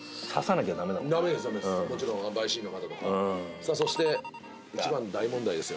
さあそして一番の大問題ですよ。